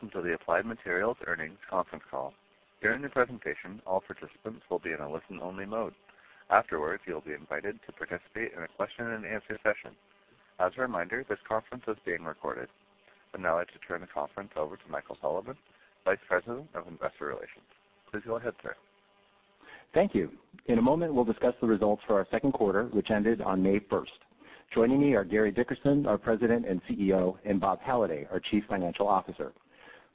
Welcome to the Applied Materials earnings conference call. During the presentation, all participants will be in a listen-only mode. Afterwards, you will be invited to participate in a question and answer session. As a reminder, this conference is being recorded. I would now like to turn the conference over to Michael Sullivan, Vice President of Investor Relations. Please go ahead, sir. Thank you. In a moment, we will discuss the results for our second quarter, which ended on May 1st. Joining me are Gary Dickerson, our President and CEO, and Bob Halliday, our Chief Financial Officer.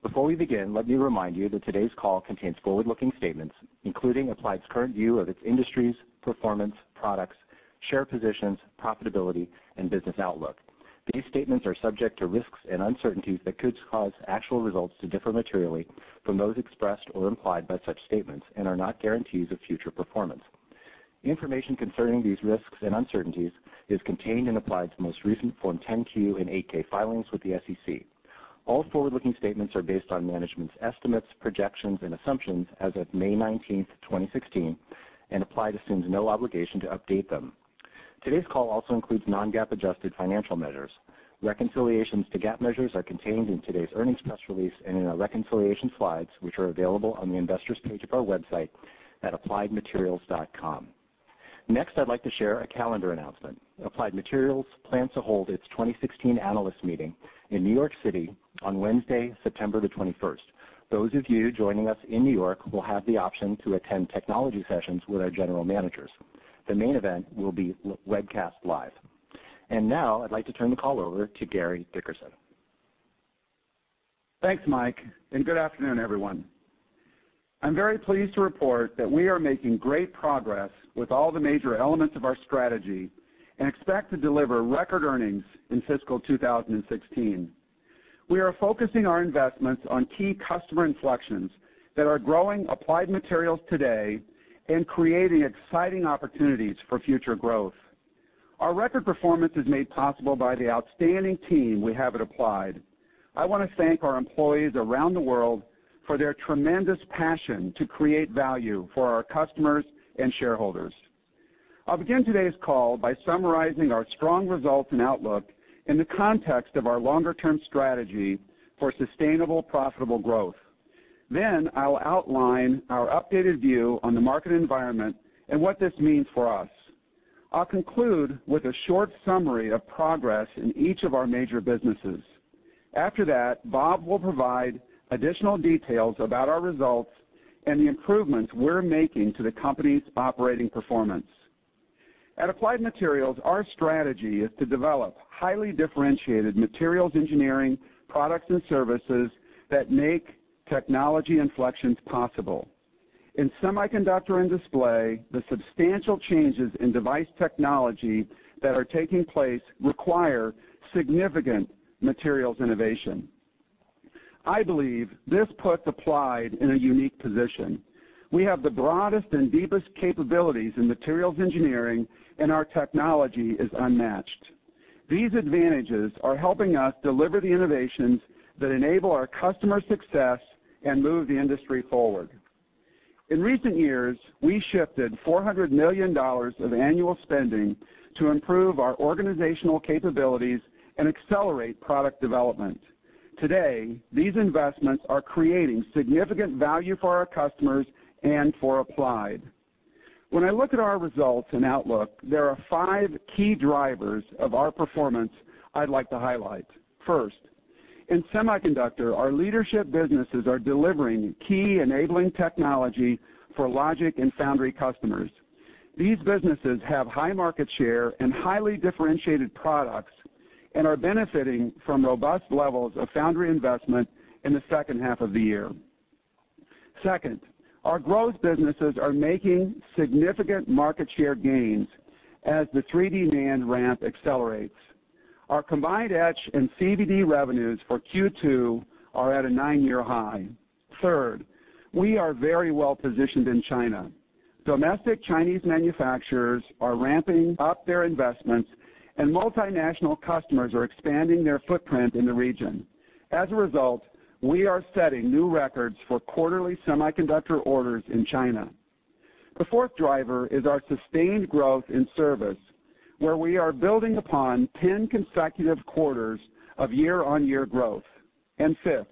Before we begin, let me remind you that today's call contains forward-looking statements, including Applied's current view of its industry's performance, products, share positions, profitability, and business outlook. These statements are subject to risks and uncertainties that could cause actual results to differ materially from those expressed or implied by such statements and are not guarantees of future performance. Information concerning these risks and uncertainties is contained in Applied's most recent Form 10-Q and 8-K filings with the SEC. All forward-looking statements are based on management's estimates, projections, and assumptions as of May 19th, 2016, and Applied assumes no obligation to update them. Today's call also includes non-GAAP adjusted financial measures. Reconciliations to GAAP measures are contained in today's earnings press release and in our reconciliation slides, which are available on the investors page of our website at appliedmaterials.com. Next, I would like to share a calendar announcement. Applied Materials plans to hold its 2016 analyst meeting in New York City on Wednesday, September the 21st. Those of you joining us in New York will have the option to attend technology sessions with our general managers. The main event will be webcast live. Now I would like to turn the call over to Gary Dickerson. Thanks, Mike, and good afternoon, everyone. I am very pleased to report that we are making great progress with all the major elements of our strategy and expect to deliver record earnings in fiscal 2016. We are focusing our investments on key customer inflections that are growing Applied Materials today and creating exciting opportunities for future growth. Our record performance is made possible by the outstanding team we have at Applied. I want to thank our employees around the world for their tremendous passion to create value for our customers and shareholders. I will begin today's call by summarizing our strong results and outlook in the context of our longer-term strategy for sustainable, profitable growth. I will outline our updated view on the market environment and what this means for us. I will conclude with a short summary of progress in each of our major businesses. After that, Bob will provide additional details about our results and the improvements we're making to the company's operating performance. At Applied Materials, our strategy is to develop highly differentiated materials engineering products and services that make technology inflections possible. In semiconductor and display, the substantial changes in device technology that are taking place require significant materials innovation. I believe this puts Applied in a unique position. We have the broadest and deepest capabilities in materials engineering, and our technology is unmatched. These advantages are helping us deliver the innovations that enable our customer success and move the industry forward. In recent years, we shifted $400 million of annual spending to improve our organizational capabilities and accelerate product development. Today, these investments are creating significant value for our customers and for Applied. When I look at our results and outlook, there are five key drivers of our performance I'd like to highlight. First, in semiconductor, our leadership businesses are delivering key enabling technology for logic and foundry customers. These businesses have high market share and highly differentiated products and are benefiting from robust levels of foundry investment in the second half of the year. Second, our growth businesses are making significant market share gains as the 3D NAND ramp accelerates. Our combined etch and CVD revenues for Q2 are at a 9-year high. Third, we are very well-positioned in China. Domestic Chinese manufacturers are ramping up their investments, and multinational customers are expanding their footprint in the region. As a result, we are setting new records for quarterly semiconductor orders in China. The fourth driver is our sustained growth in service, where we are building upon 10 consecutive quarters of year-on-year growth. Fifth,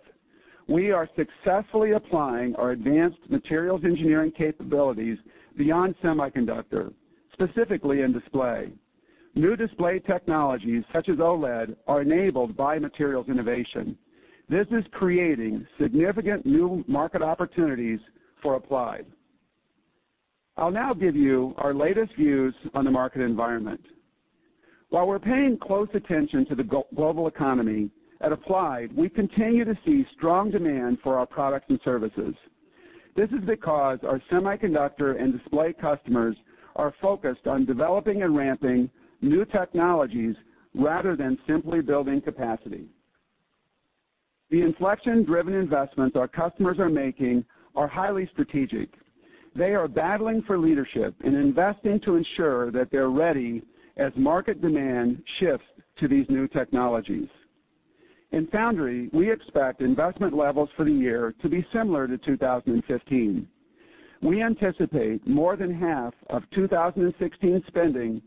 we are successfully applying our advanced materials engineering capabilities beyond semiconductor, specifically in display. New display technologies such as OLED are enabled by materials innovation. This is creating significant new market opportunities for Applied. I'll now give you our latest views on the market environment. While we're paying close attention to the global economy, at Applied, we continue to see strong demand for our products and services. This is because our semiconductor and display customers are focused on developing and ramping new technologies rather than simply building capacity. The inflection-driven investments our customers are making are highly strategic. They are battling for leadership and investing to ensure that they're ready as market demand shifts to these new technologies. In foundry, we expect investment levels for the year to be similar to 2015. We anticipate more than half of 2016 spending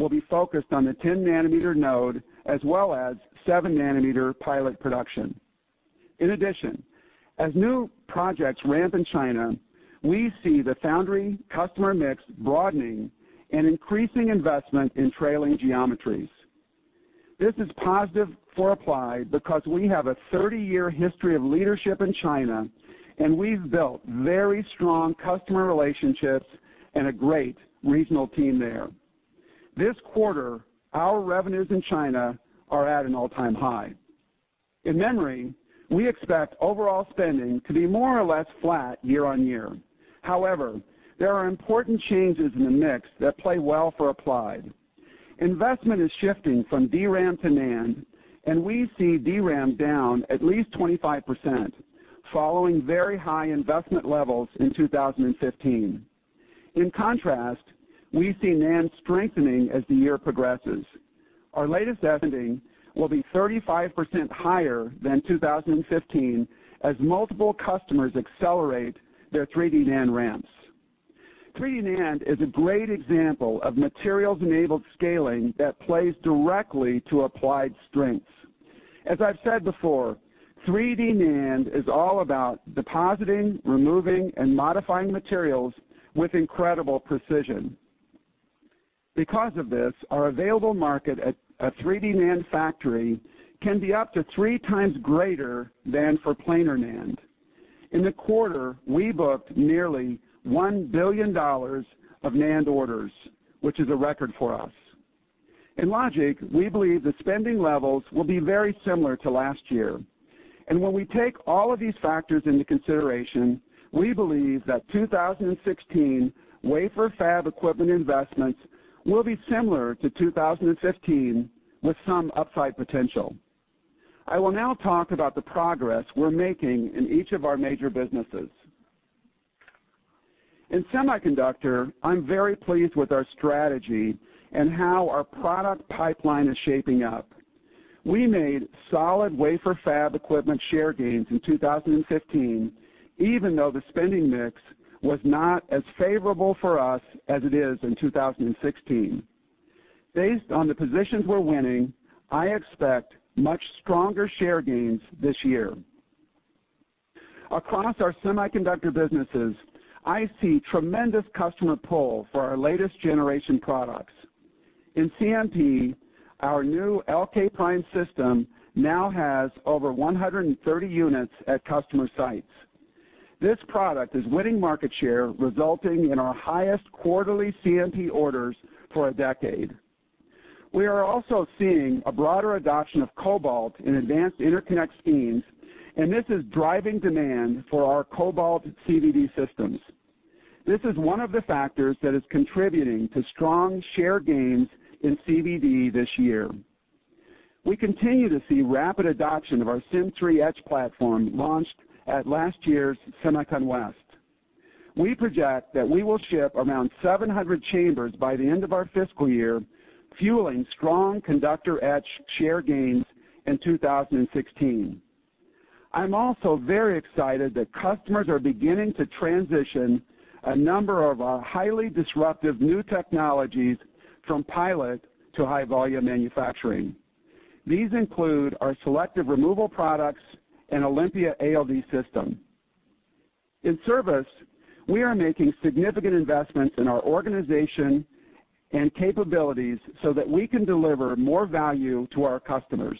will be focused on the 10 nanometer node as well as 7 nanometer pilot production. In addition, as new projects ramp in China, we see the foundry customer mix broadening and increasing investment in trailing geometries. This is positive for Applied because we have a 30-year history of leadership in China, and we've built very strong customer relationships and a great regional team there. This quarter, our revenues in China are at an all-time high. In memory, we expect overall spending to be more or less flat year-on-year. However, there are important changes in the mix that play well for Applied. Investment is shifting from DRAM to NAND, and we see DRAM down at least 25%, following very high investment levels in 2015. In contrast, we see NAND strengthening as the year progresses. Our latest spending will be 35% higher than 2015 as multiple customers accelerate their 3D NAND ramps. 3D NAND is a great example of materials-enabled scaling that plays directly to Applied's strengths. As I've said before, 3D NAND is all about depositing, removing, and modifying materials with incredible precision. Because of this, our available market at a 3D NAND factory can be up to three times greater than for planar NAND. In the quarter, we booked nearly $1 billion of NAND orders, which is a record for us. In logic, we believe the spending levels will be very similar to last year. When we take all of these factors into consideration, we believe that 2016 wafer fab equipment investments will be similar to 2015 with some upside potential. I will now talk about the progress we're making in each of our major businesses. In semiconductor, I'm very pleased with our strategy and how our product pipeline is shaping up. We made solid wafer fab equipment share gains in 2015, even though the spending mix was not as favorable for us as it is in 2016. Based on the positions we're winning, I expect much stronger share gains this year. Across our semiconductor businesses, I see tremendous customer pull for our latest generation products. In CMP, our new Reflexion LK Prime system now has over 130 units at customer sites. This product is winning market share, resulting in our highest quarterly CMP orders for a decade. We are also seeing a broader adoption of cobalt in advanced interconnect schemes, and this is driving demand for our cobalt CVD systems. This is one of the factors that is contributing to strong share gains in CVD this year. We continue to see rapid adoption of our Sym3 Etch platform launched at last year's SEMICON West. We project that we will ship around 700 chambers by the end of our fiscal year, fueling strong conductor etch share gains in 2016. I'm also very excited that customers are beginning to transition a number of our highly disruptive new technologies from pilot to high-volume manufacturing. These include our selective material removal products and Olympia ALD system. In service, we are making significant investments in our organization and capabilities so that we can deliver more value to our customers.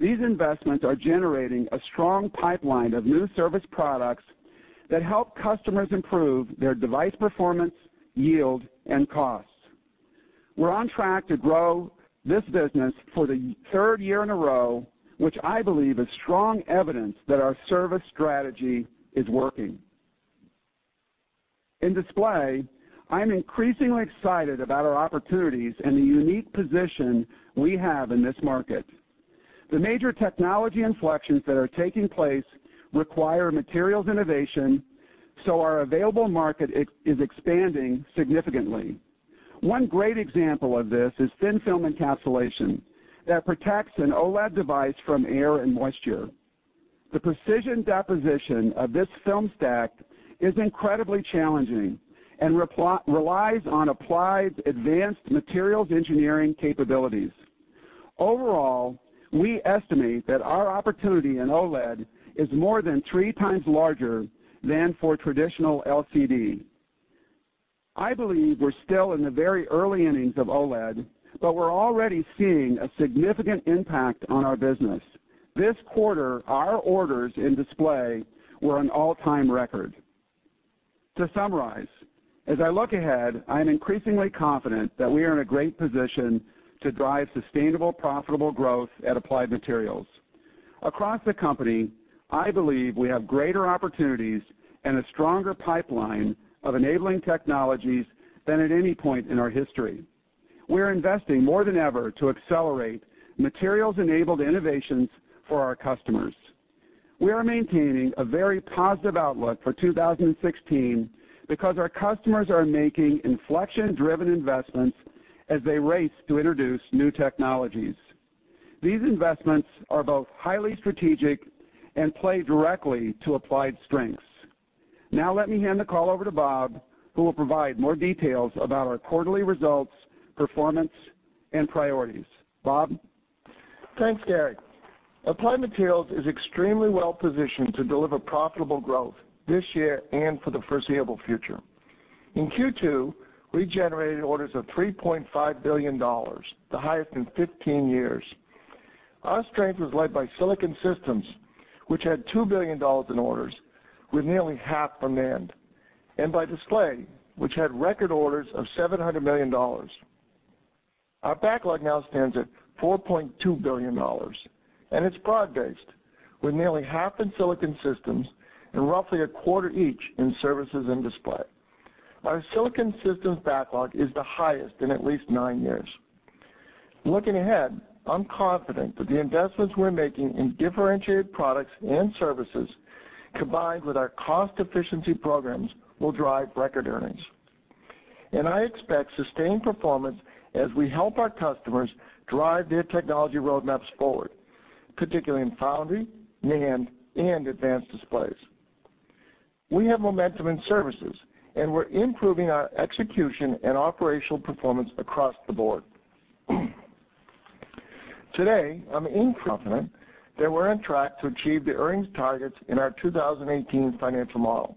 These investments are generating a strong pipeline of new service products that help customers improve their device performance, yield, and costs. We're on track to grow this business for the third year in a row, which I believe is strong evidence that our service strategy is working. In Display, I'm increasingly excited about our opportunities and the unique position we have in this market. The major technology inflections that are taking place require materials innovation, so our available market is expanding significantly. One great example of this is thin-film encapsulation that protects an OLED device from air and moisture. The precision deposition of this film stack is incredibly challenging and relies on Applied's advanced materials engineering capabilities. Overall, we estimate that our opportunity in OLED is more than three times larger than for traditional LCD. I believe we're still in the very early innings of OLED, but we're already seeing a significant impact on our business. This quarter, our orders in Display were an all-time record. To summarize, as I look ahead, I am increasingly confident that we are in a great position to drive sustainable, profitable growth at Applied Materials. Across the company, I believe we have greater opportunities and a stronger pipeline of enabling technologies than at any point in our history. We're investing more than ever to accelerate materials-enabled innovations for our customers. We are maintaining a very positive outlook for 2016 because our customers are making inflection-driven investments as they race to introduce new technologies. These investments are both highly strategic and play directly to Applied's strengths. Now let me hand the call over to Bob, who will provide more details about our quarterly results, performance, and priorities. Bob? Thanks, Gary. Applied Materials is extremely well-positioned to deliver profitable growth this year and for the foreseeable future. In Q2, we generated orders of $3.5 billion, the highest in 15 years. Our strength was led by Silicon Systems, which had $2 billion in orders, with nearly half from NAND, and by Display, which had record orders of $700 million. Our backlog now stands at $4.2 billion, and it's product-based, with nearly half in Silicon Systems and roughly a quarter each in Services and Display. Our Silicon Systems backlog is the highest in at least nine years. Looking ahead, I'm confident that the investments we're making in differentiated products and services, combined with our cost efficiency programs, will drive record earnings. I expect sustained performance as we help our customers drive their technology roadmaps forward, particularly in foundry, NAND, and advanced displays. We have momentum in Services, and we're improving our execution and operational performance across the board. Today, I'm incredibly confident that we're on track to achieve the earnings targets in our 2018 financial model.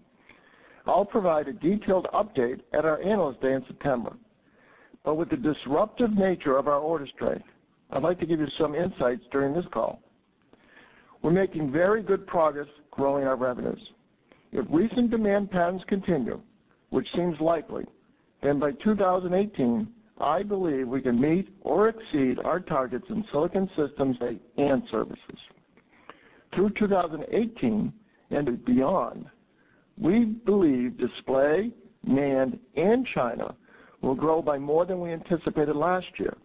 I'll provide a detailed update at our Analyst Day in September. With the disruptive nature of our order strength, I'd like to give you some insights during this call. We're making very good progress growing our revenues. If recent demand patterns continue, which seems likely, then by 2018, I believe we can meet or exceed our targets in Silicon Systems and Services. Through 2018 and beyond, we believe Display, NAND, and China will grow by more than we anticipated last year,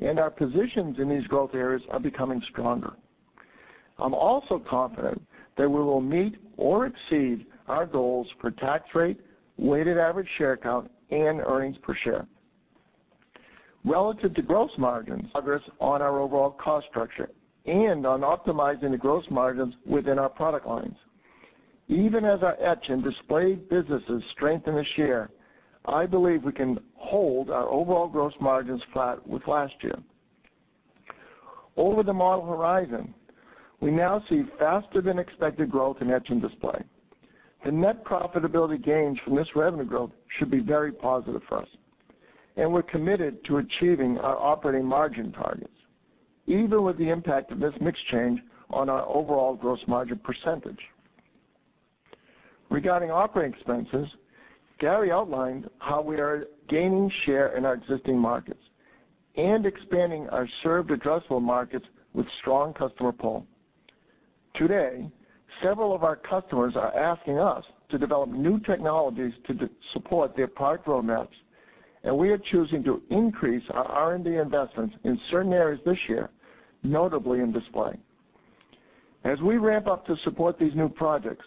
and our positions in these growth areas are becoming stronger. I'm also confident that we will meet or exceed our goals for tax rate, weighted average share count, and earnings per share. Relative to gross margins, progress on our overall cost structure and on optimizing the gross margins within our product lines. Even as our etch and Display businesses strengthen this year, I believe we can hold our overall gross margins flat with last year. Over the model horizon, we now see faster than expected growth in etch and Display. The net profitability gains from this revenue growth should be very positive for us, and we're committed to achieving our operating margin targets, even with the impact of this mix change on our overall gross margin percentage. Regarding operating expenses, Gary outlined how we are gaining share in our existing markets and expanding our served addressable markets with strong customer pull. Today, several of our customers are asking us to develop new technologies to support their product roadmaps. We are choosing to increase our R&D investments in certain areas this year, notably in Display. As we ramp up to support these new projects,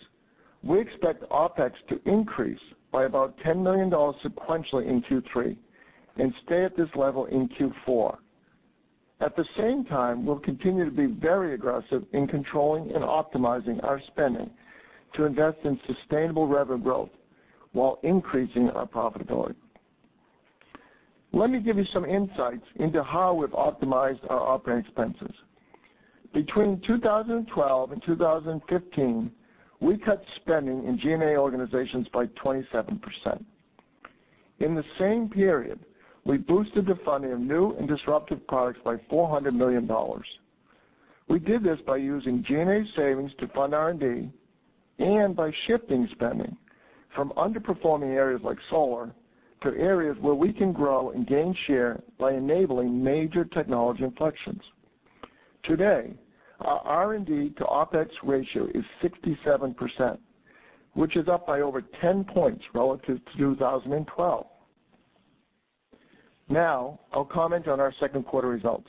we expect OpEx to increase by about $10 million sequentially in Q3 and stay at this level in Q4. At the same time, we'll continue to be very aggressive in controlling and optimizing our spending to invest in sustainable revenue growth while increasing our profitability. Let me give you some insights into how we've optimized our operating expenses. Between 2012 and 2015, we cut spending in G&A organizations by 27%. In the same period, we boosted the funding of new and disruptive products by $400 million. We did this by using G&A savings to fund R&D and by shifting spending from underperforming areas like solar to areas where we can grow and gain share by enabling major technology inflections. Today, our R&D to OpEx ratio is 67%, which is up by over 10 points relative to 2012. I'll comment on our second quarter results.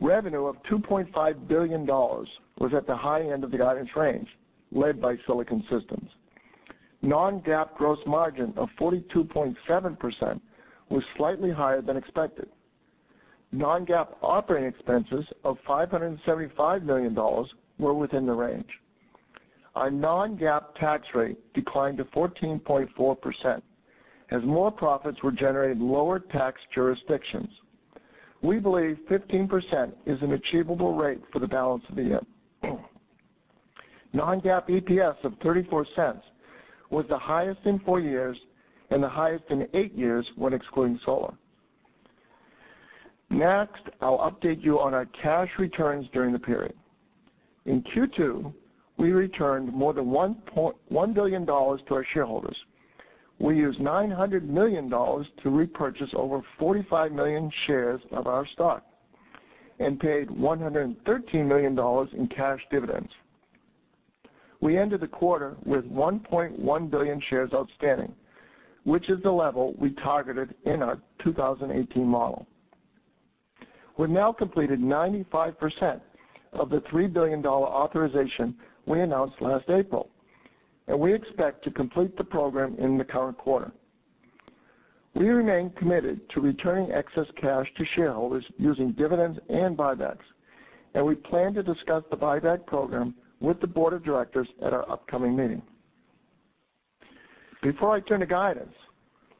Revenue of $2.5 billion was at the high end of the guidance range, led by Silicon Systems. Non-GAAP gross margin of 42.7% was slightly higher than expected. Non-GAAP operating expenses of $575 million were within the range. Our non-GAAP tax rate declined to 14.4% as more profits were generated in lower tax jurisdictions. We believe 15% is an achievable rate for the balance of the year. Non-GAAP EPS of $0.34 was the highest in four years and the highest in eight years when excluding solar. I'll update you on our cash returns during the period. In Q2, we returned more than $1 billion to our shareholders. We used $900 million to repurchase over 45 million shares of our stock and paid $113 million in cash dividends. We ended the quarter with 1.1 billion shares outstanding, which is the level we targeted in our 2018 model. We now completed 95% of the $3 billion authorization we announced last April. We expect to complete the program in the current quarter. We remain committed to returning excess cash to shareholders using dividends and buybacks. We plan to discuss the buyback program with the board of directors at our upcoming meeting. Before I turn to guidance,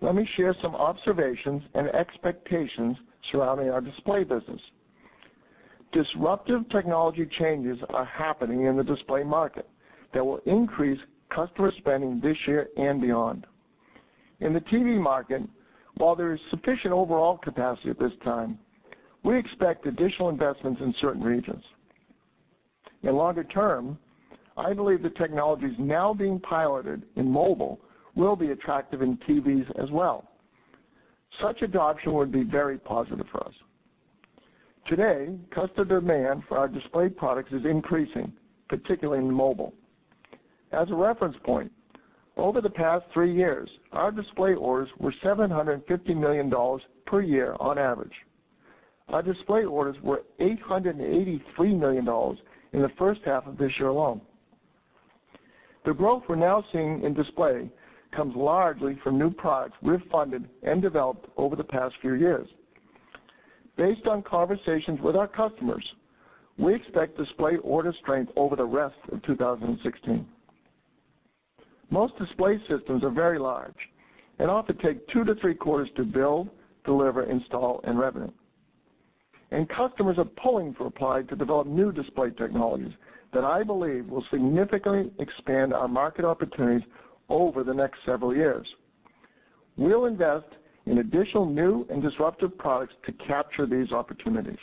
let me share some observations and expectations surrounding our Display business. Disruptive technology changes are happening in the Display market that will increase customer spending this year and beyond. In the TV market, while there is sufficient overall capacity at this time, we expect additional investments in certain regions. In longer term, I believe the technologies now being piloted in mobile will be attractive in TVs as well. Such adoption would be very positive for us. Today, customer demand for our Display products is increasing, particularly in mobile. As a reference point, over the past three years, our Display orders were $750 million per year on average. Our Display orders were $883 million in the first half of this year alone. The growth we're now seeing in Display comes largely from new products we've funded and developed over the past few years. Based on conversations with our customers, we expect Display order strength over the rest of 2016. Most Display systems are very large and often take two to three quarters to build, deliver, install, and revenue. Customers are pulling for Applied to develop new Display technologies that I believe will significantly expand our market opportunities over the next several years. We'll invest in additional new and disruptive products to capture these opportunities.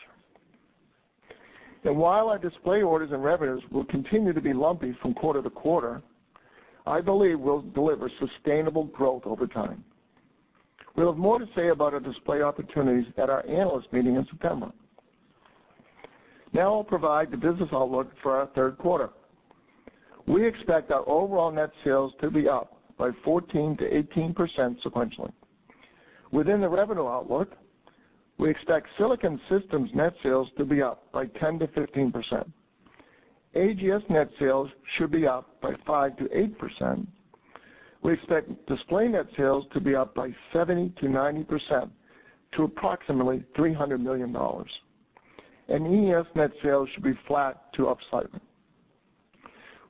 While our Display orders and revenues will continue to be lumpy from quarter to quarter, I believe we'll deliver sustainable growth over time. We'll have more to say about our Display opportunities at our analyst meeting in September. I'll provide the business outlook for our third quarter. We expect our overall net sales to be up by 14%-18% sequentially. Within the revenue outlook, we expect Silicon Systems net sales to be up by 10%-15%. AGS net sales should be up by 5%-8%. We expect Display net sales to be up by 70%-90%, to approximately $300 million. EES net sales should be flat to up slightly.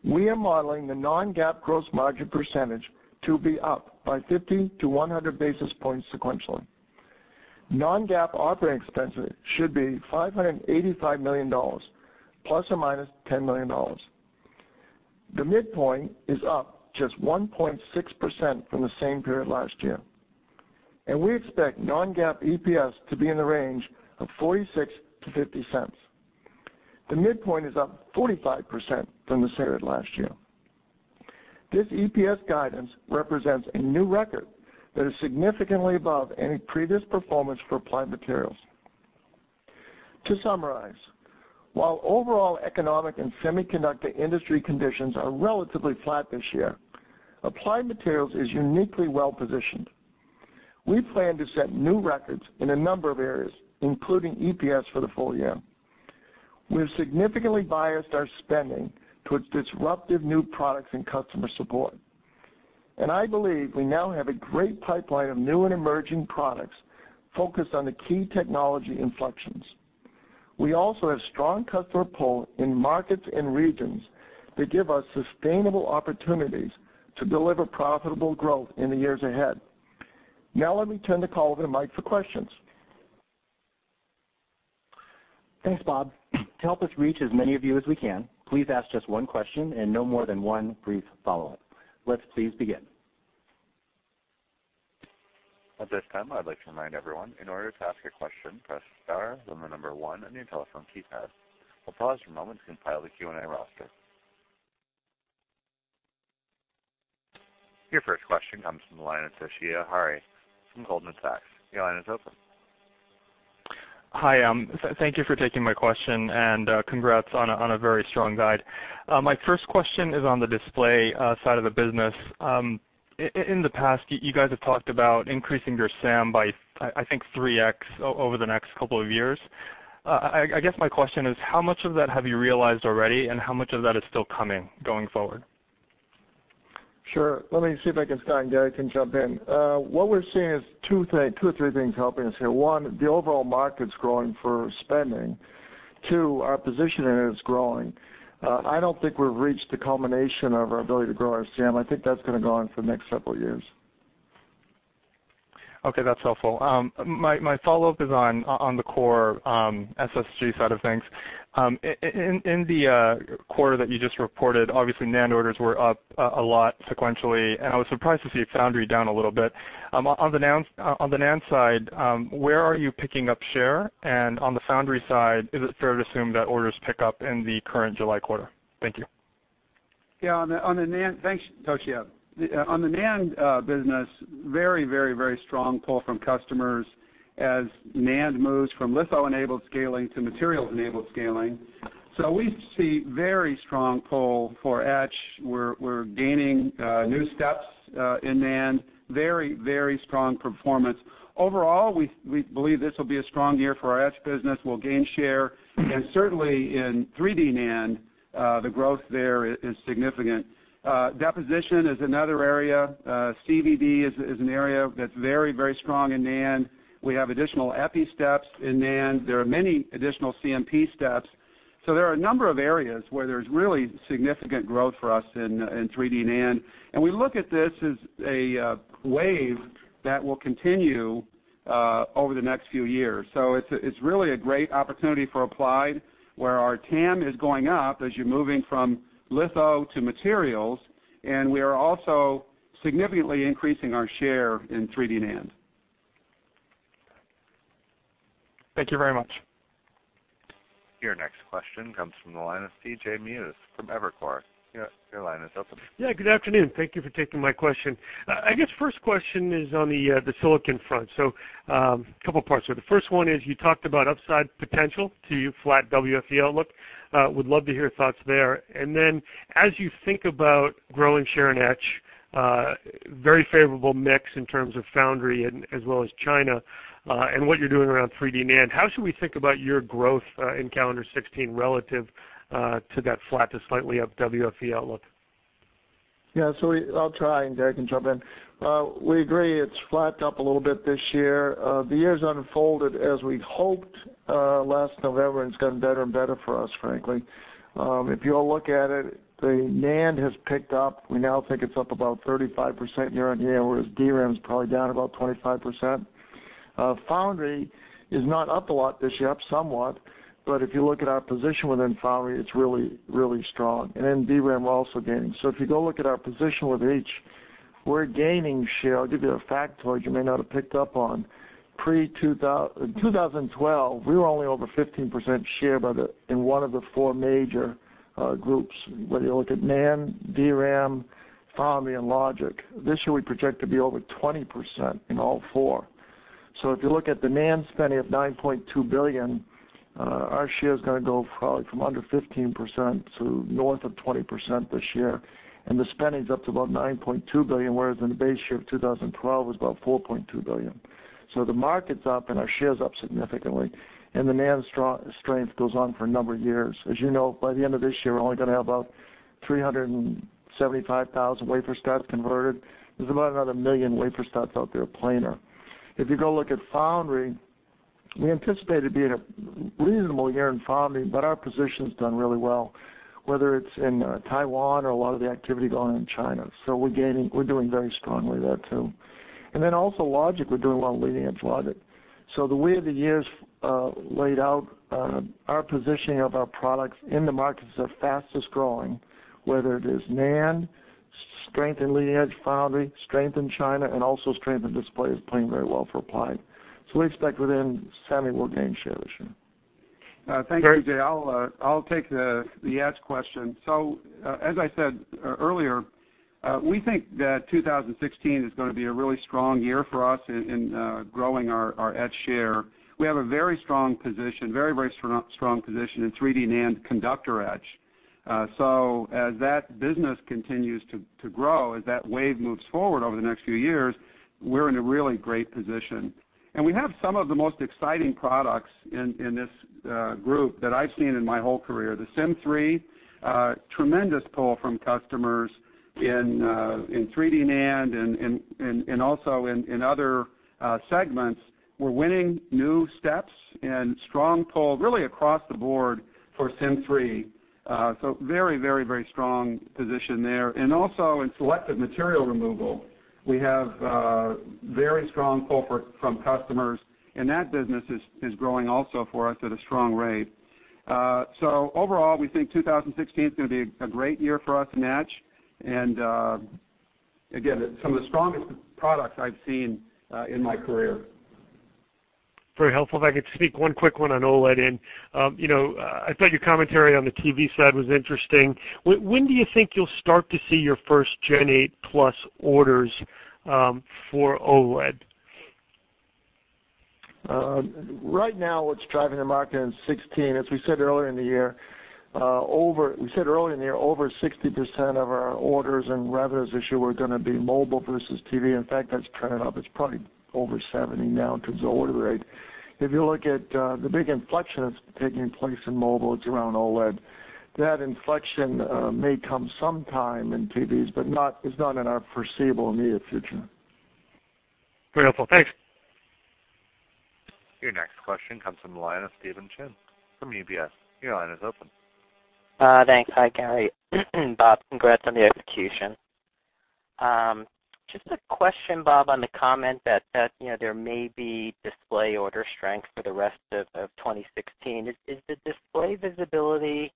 We are modeling the non-GAAP gross margin percentage to be up by 50-100 basis points sequentially. Non-GAAP operating expenses should be $585 million, plus or minus $10 million. The midpoint is up just 1.6% from the same period last year. We expect non-GAAP EPS to be in the range of $0.46-$0.50. The midpoint is up 45% from the same period last year. This EPS guidance represents a new record that is significantly above any previous performance for Applied Materials. To summarize, while overall economic and semiconductor industry conditions are relatively flat this year, Applied Materials is uniquely well-positioned. We plan to set new records in a number of areas, including EPS for the full year. We've significantly biased our spending towards disruptive new products and customer support. I believe we now have a great pipeline of new and emerging products focused on the key technology inflections. We also have strong customer pull in markets and regions that give us sustainable opportunities to deliver profitable growth in the years ahead. Let me turn the call over to Mike for questions. Thanks, Bob. To help us reach as many of you as we can, please ask just one question and no more than one brief follow-up. Let's please begin. At this time, I'd like to remind everyone, in order to ask a question, press star then the number one on your telephone keypad. We'll pause for a moment to compile the Q&A roster. Your first question comes from the line of Toshiya Hari from Goldman Sachs. Your line is open. Hi. Thank you for taking my question and congrats on a very strong guide. My first question is on the Display side of the business. In the past, you guys have talked about increasing your SAM by, I think, 3x over the next couple of years. I guess my question is, how much of that have you realized already, and how much of that is still coming, going forward? Sure. Let me see if I can start, Gary can jump in. What we're seeing is two or three things helping us here. One, the overall market's growing for spending. Two, our positioning is growing. I don't think we've reached the culmination of our ability to grow our SAM. I think that's going to go on for the next several years. Okay, that's helpful. My follow-up is on the core SSG side of things. In the quarter that you just reported, obviously NAND orders were up a lot sequentially, and I was surprised to see foundry down a little bit. On the NAND side, where are you picking up share? On the foundry side, is it fair to assume that orders pick up in the current July quarter? Thank you. Thanks, Toshiya. On the NAND business, very strong pull from customers as NAND moves from litho-enabled scaling to materials-enabled scaling. We see very strong pull for etch. We're gaining new steps in NAND. Very strong performance. Overall, we believe this will be a strong year for our etch business. We'll gain share, and certainly in 3D NAND, the growth there is significant. Deposition is another area. CVD is an area that's very strong in NAND. We have additional Epi steps in NAND. There are many additional CMP steps. There are a number of areas where there's really significant growth for us in 3D NAND, and we look at this as a wave that will continue over the next few years. It's really a great opportunity for Applied, where our TAM is going up as you're moving from litho to materials, and we are also significantly increasing our share in 3D NAND. Thank you very much. Your next question comes from the line of C.J. Muse from Evercore. Your line is open. Good afternoon. Thank you for taking my question. I guess first question is on the silicon front. Couple parts. The first one is you talked about upside potential to your flat WFE outlook. Would love to hear your thoughts there. As you think about growing share in etch, very favorable mix in terms of foundry and as well as China, and what you're doing around 3D NAND, how should we think about your growth in calendar 2016 relative to that flat to slightly up WFE outlook? I'll try, Gary can jump in. We agree it's flat to up a little bit this year. The year's unfolded as we'd hoped last November, it's gotten better and better for us, frankly. If you'll look at it, the NAND has picked up. We now think it's up about 35% year-over-year, whereas DRAM's probably down about 25%. foundry is not up a lot this year, up somewhat, if you look at our position within foundry, it's really strong. DRAM, we're also gaining. If you go look at our position with etch, we're gaining share. I'll give you a factoid you may not have picked up on. In 2012, we were only over 15% share in one of the four major groups, whether you look at NAND, DRAM, foundry, and logic. This year, we project to be over 20% in all four. If you look at the NAND spending of $9.2 billion, our share is going to go probably from under 15% to north of 20% this year, the spending's up to about $9.2 billion, whereas in the base year of 2012, it was about $4.2 billion. The market's up, our share is up significantly, the NAND strength goes on for a number of years. As you know, by the end of this year, we're only going to have about 375,000 wafer starts converted. There's about another million wafer starts out there, planar. If you go look at foundry, we anticipated it being a reasonable year in foundry, our position's done really well, whether it's in Taiwan or a lot of the activity going on in China. We're doing very strongly there, too. Also logic, we're doing well in leading-edge logic. The way the year's laid out our positioning of our products in the markets that are fastest-growing, whether it is NAND, strength in leading-edge foundry, strength in China, also strength in Display is playing very well for Applied. We expect within semi, we'll gain share this year. Gary? I'll take the etch question. As I said earlier, we think that 2016 is going to be a really strong year for us in growing our etch share. We have a very strong position in 3D NAND conductor etch. As that business continues to grow, as that wave moves forward over the next few years, we're in a really great position. We have some of the most exciting products in this group that I've seen in my whole career. The Sym3, tremendous pull from customers in 3D NAND and also in other segments. We're winning new steps and strong pull really across the board for Sym3. Very strong position there. Also in selective material removal, we have very strong pull from customers, and that business is growing also for us at a strong rate. Overall, we think 2016 is going to be a great year for us in etch, again, some of the strongest products I've seen in my career. Very helpful. If I could sneak one quick one on OLED in. I thought your commentary on the TV side was interesting. When do you think you'll start to see your first Gen 8 plus orders for OLED? Right now, what's driving the market in 2016, as we said earlier in the year, over 60% of our orders and revenues this year were going to be mobile versus TV. In fact, that's trended up. It's probably over 70% now in terms of order rate. If you look at the big inflection that's taking place in mobile, it's around OLED. That inflection may come sometime in TVs, but it's not in our foreseeable, immediate future. Very helpful. Thanks. Your next question comes from the line of Stephen Chin from UBS. Your line is open. Thanks. Hi, Gary, Bob. Congrats on the execution. Just a question, Bob, on the comment that there may be Display order strength for the rest of 2016. Is the Display visibility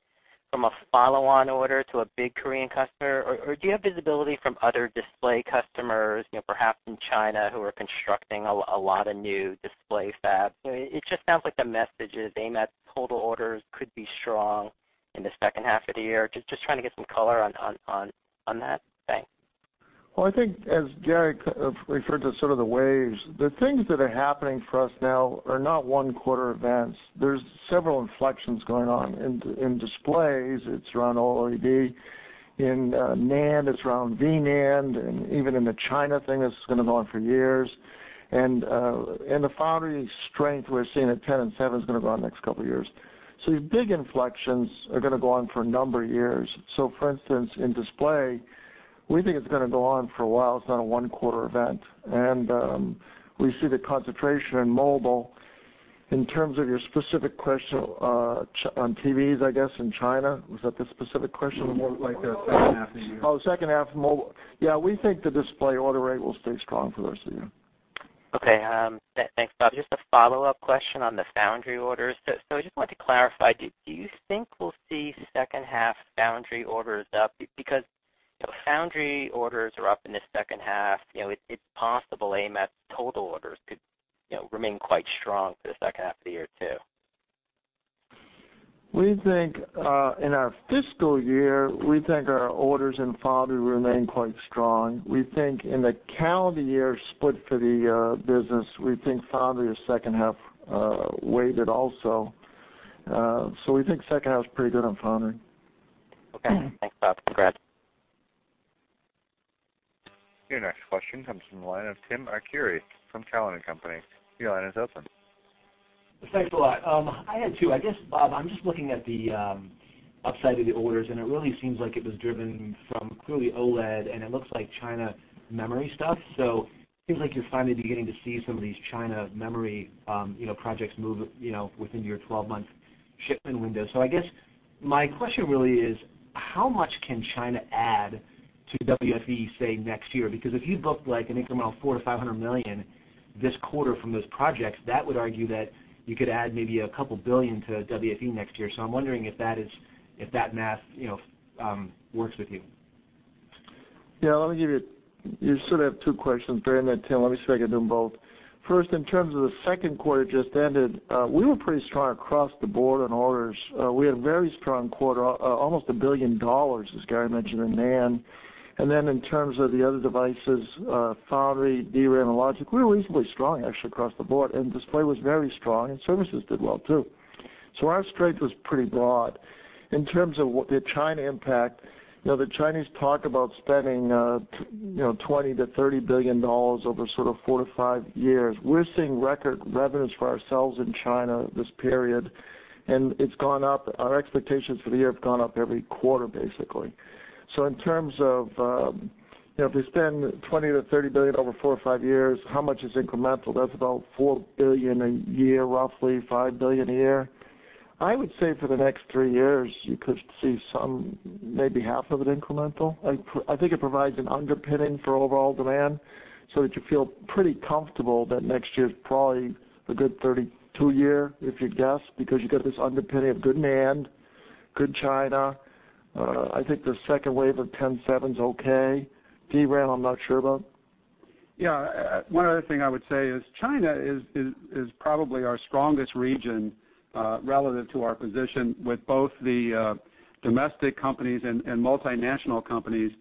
from a follow-on order to a big Korean customer, or do you have visibility from other Display customers, perhaps in China, who are constructing a lot of new Display fabs? It just sounds like the message is AMAT total orders could be strong in the second half of the year. Just trying to get some color on that. Thanks. Well, I think as Gary referred to sort of the waves, the things that are happening for us now are not one-quarter events. There's several inflections going on. In Displays, it's around OLED. In NAND, it's around V-NAND. Even in the China thing, this is going to go on for years. The foundry strength we're seeing at 10 and seven is going to go on the next couple of years. These big inflections are going to go on for a number of years. For instance, in Display, we think it's going to go on for a while. It's not a one-quarter event. We see the concentration in mobile. In terms of your specific question on TVs, I guess, in China, was that the specific question? More like the second half of the year. Second half mobile. Yeah, we think the Display order rate will stay strong for the rest of the year. Okay. Thanks, Bob. Just a follow-up question on the foundry orders. I just wanted to clarify, do you think we'll see second half foundry orders up? Foundry orders are up in the second half, it's possible AMAT's total orders could remain quite strong for the second half of the year, too. In our fiscal year, we think our orders in foundry will remain quite strong. We think in the calendar year split for the business, we think foundry is second half weighted also. We think second half is pretty good on foundry. Okay. Thanks, Bob. Your next question comes from the line of Timothy Arcuri from Cowen and Company. Your line is open. Thanks a lot. I had two. I guess, Bob, I'm just looking at the upside of the orders, and it really seems like it was driven from clearly OLED, and it looks like China memory stuff. It seems like you're finally beginning to see some of these China memory projects move within your 12-month shipment window. I guess my question really is how much can China add to WFE, say, next year? Because if you book an incremental $400 million-$500 million this quarter from those projects, that would argue that you could add maybe a couple billion to WFE next year. I'm wondering if that math works with you. Yeah, you sort of have two questions there in that, Tim. Let me see if I can do them both. First, in terms of the second quarter just ended, we were pretty strong across the board on orders. We had a very strong quarter, almost $1 billion, as Gary mentioned, in NAND. Then in terms of the other devices, foundry, DRAM and logic, we were reasonably strong, actually, across the board, and Display was very strong, and services did well, too. Our strength was pretty broad. In terms of the China impact, the Chinese talk about spending $20 billion-$30 billion over sort of four to five years. We're seeing record revenues for ourselves in China this period, and our expectations for the year have gone up every quarter, basically. In terms of if they spend $20 billion-$30 billion over four or five years, how much is incremental? That's about $4 billion a year, roughly $5 billion a year. I would say for the next three years, you could see maybe half of it incremental. I think it provides an underpinning for overall demand so that you feel pretty comfortable that next year's probably a good [3,2 year], if you guess, because you've got this underpinning of good NAND, good China. I think the second wave of 10-seven's okay. DRAM, I'm not sure about. Yeah. One other thing I would say is China is probably our strongest region relative to our position with both the domestic companies and multinational companies.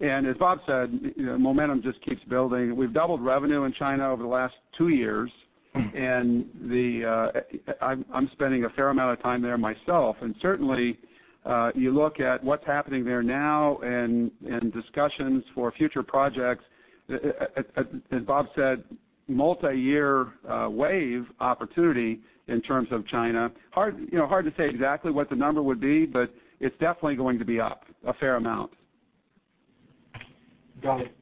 As Bob said, momentum just keeps building. We've doubled revenue in China over the last two years, I'm spending a fair amount of time there myself. Certainly, you look at what's happening there now and discussions for future projects, as Bob said, multi-year wave opportunity in terms of China. Hard to say exactly what the number would be, but it's definitely going to be up a fair amount. Got it.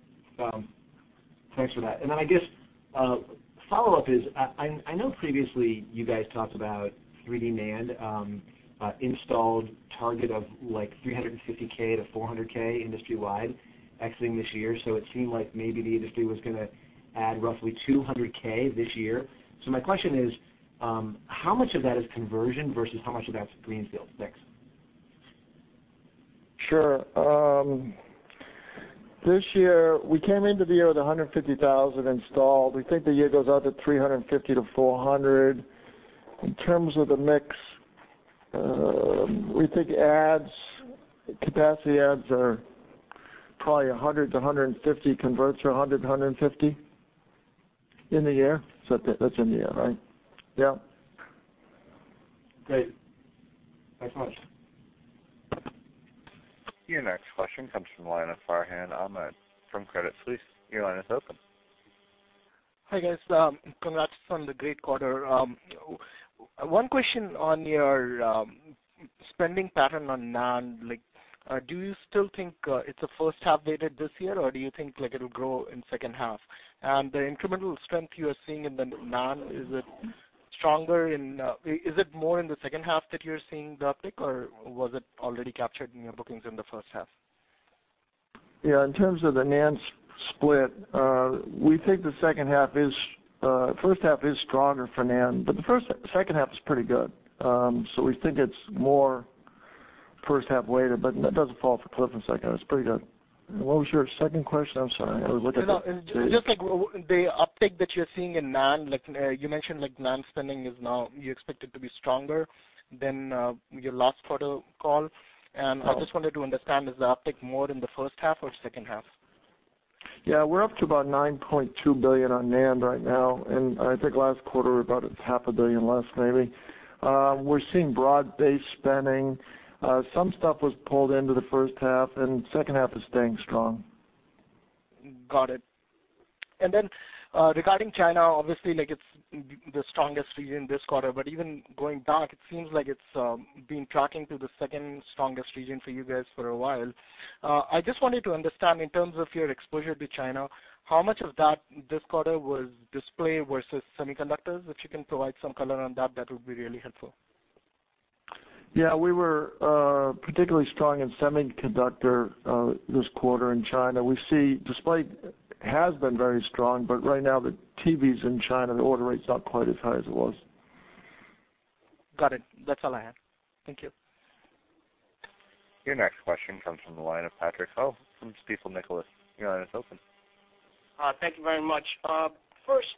Thanks for that. I guess a follow-up is, I know previously you guys talked about 3D NAND installed target of 350K-400K industry-wide exiting this year. It seemed like maybe the industry was going to add roughly 200K this year. My question is, how much of that is conversion versus how much of that's greenfield mix? Sure. This year, we came into the year with 150,000 installed. We think the year goes out to 350-400. In terms of the mix, we think capacity adds are probably 100-150, converts are 100-150 in the year. That's in the year, right? Yeah. Great. Thanks much. Your next question comes from the line of Farhan Ahmad from Credit Suisse. Your line is open. Hi, guys. Congrats on the great quarter. One question on your spending pattern on NAND, do you still think it's a first half weighted this year, or do you think it'll grow in second half? The incremental strength you are seeing in the NAND, is it more in the second half that you're seeing the uptick, or was it already captured in your bookings in the first half? Yeah. In terms of the NAND split, we think the first half is stronger for NAND, the second half is pretty good. We think it's more first half weighted, it doesn't fall off a cliff in second half. It's pretty good. What was your second question? I'm sorry. The uptake that you're seeing in NAND, you mentioned NAND spending, you expect it to be stronger than your last quarter call. I just wanted to understand, is the uptake more in the first half or second half? Yeah. We're up to about $9.2 billion on NAND right now, I think last quarter we were about half a billion less maybe. We're seeing broad-based spending. Some stuff was pulled into the first half and second half is staying strong. Got it. Regarding China, obviously, it's the strongest region this quarter, but even going back, it seems like it's been tracking to the second strongest region for you guys for a while. I just wanted to understand in terms of your exposure to China, how much of that this quarter was Display versus semiconductors? If you can provide some color on that would be really helpful. Yeah. We were particularly strong in semiconductor, this quarter in China. We see Display has been very strong, right now the TVs in China, the order rate's not quite as high as it was. Got it. That's all I had. Thank you. Your next question comes from the line of Patrick Ho from Stifel Nicolaus. Your line is open. Thank you very much. First,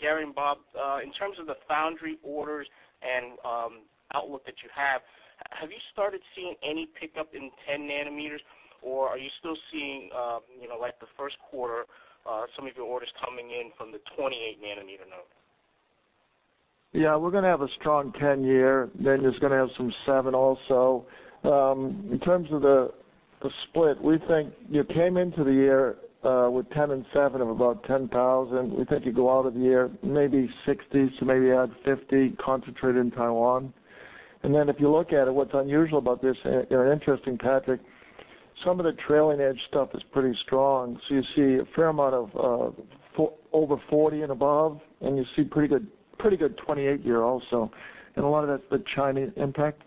Gary and Bob, in terms of the foundry orders and outlook that you have you started seeing any pickup in 10 nanometers or are you still seeing like the first quarter, some of your orders coming in from the 28 nanometer node? We're going to have a strong 10 year. There's going to have some 7 also. In terms of the split, we think you came into the year with 10 and 7 of about 10,000. We think you go out of the year maybe 60, maybe add 50 concentrated in Taiwan. If you look at it, what's unusual about this, or interesting, Patrick, some of the trailing edge stuff is pretty strong. You see a fair amount of over 40 and above, and you see pretty good 28 year also. A lot of that's the Chinese impact.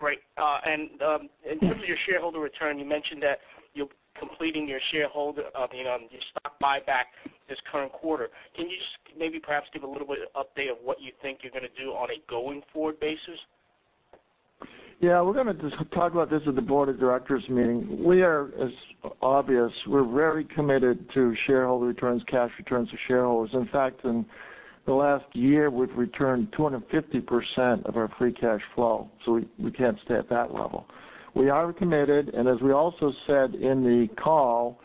Great. In terms of your shareholder return, you mentioned that you're completing your stock buyback this current quarter. Can you just maybe perhaps give a little bit of update of what you think you're going to do on a going-forward basis? We're going to talk about this at the board of directors meeting. It's obvious, we're very committed to shareholder returns, cash returns to shareholders. In fact, in the last year, we've returned 250% of our free cash flow. We can't stay at that level. We are committed, as we also said in the call,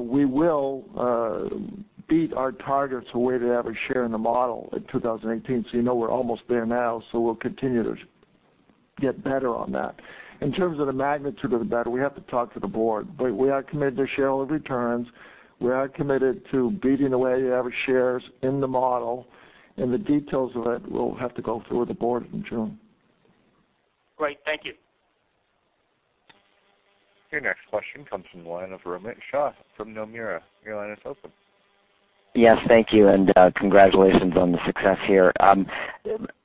we will beat our targets of weighted average share in the model in 2018. You know we're almost there now, we'll continue to get better on that. In terms of the magnitude of the bet, we have to talk to the board, but we are committed to shareholder returns. We are committed to beating weighted average shares in the model. The details of it will have to go through the board in June. Great. Thank you. Your next question comes from the line of Romit Shah from Nomura. Your line is open. Yes, thank you and congratulations on the success here.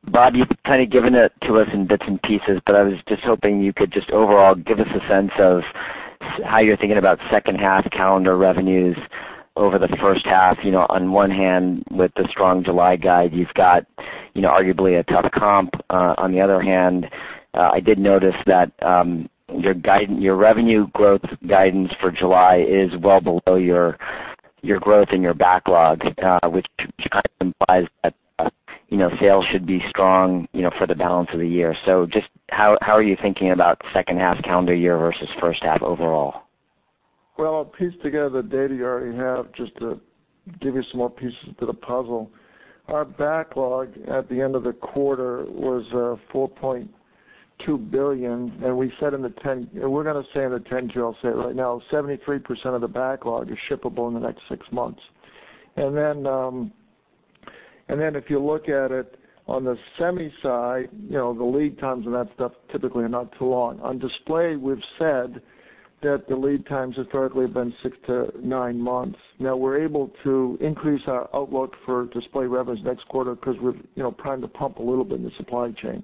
Bob, you've kind of given it to us in bits and pieces. I was just hoping you could just overall give us a sense of how you're thinking about second half calendar revenues over the first half. On one hand, with the strong July guide, you've got arguably a tough comp. On the other hand, I did notice that your revenue growth guidance for July is well below your growth in your backlog, which kind of implies that sales should be strong for the balance of the year. Just how are you thinking about second half calendar year versus first half overall? I'll piece together the data you already have just to give you some more pieces to the puzzle. Our backlog at the end of the quarter was $4.2 billion. We're going to say in the 10-Q, I'll say it right now, 73% of the backlog is shippable in the next six months. If you look at it on the semi side, the lead times on that stuff typically are not too long. On Display, we've said that the lead times historically have been six to nine months. Now we're able to increase our outlook for Display revenues next quarter because we're primed to pump a little bit in the supply chain.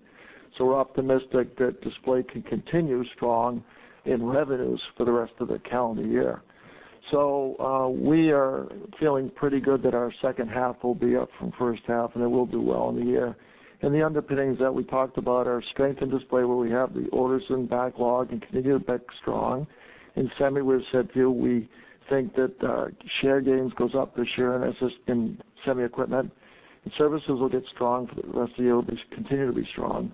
We're optimistic that Display can continue strong in revenues for the rest of the calendar year. We are feeling pretty good that our second half will be up from first half and it will do well in the year, and the underpinnings that we talked about are strength in Display where we have the orders and backlog and continue to be strong. In semi, we've said we think that share gains goes up this year in semi equipment and services will get strong for the rest of the year, at least continue to be strong.